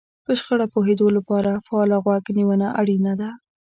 په شخړه پوهېدو لپاره فعاله غوږ نيونه اړينه ده.